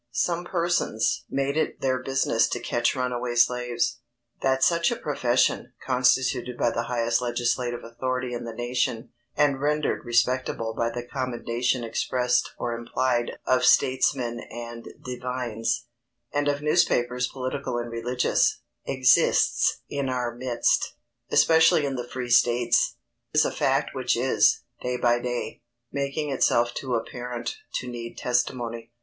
Some persons made it their business to catch runaway slaves. That such a profession, constituted by the highest legislative authority in the nation, and rendered respectable by the commendation expressed or implied of statesmen and divines, and of newspapers political and religious, exists in our midst, especially in the free states, is a fact which is, day by day, making itself too apparent to need testimony.